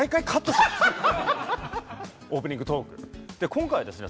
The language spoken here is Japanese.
今回はですね